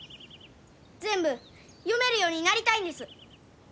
全部読めるようになりたいんです。